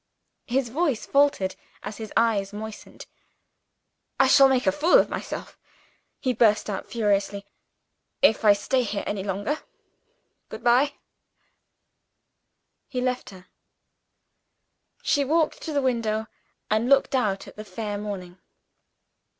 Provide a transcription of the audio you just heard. His voice faltered; his eyes moistened. "I shall make a fool of myself," he burst out furiously, "if I stay here any longer. Good by." He left her. She walked to the window, and looked out at the fair morning.